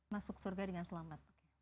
masuk surga dengan selamat